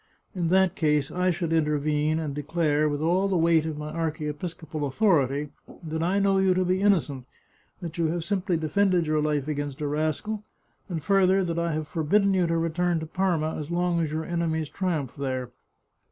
In that case I should intervene, and declare, with all the weight of my archiepiscopal au thority, that I know you to be innocent; that you have simply defended your life against a rascal ; and further, that I have forbidden you to return to Parma as long as your enemies triumph there.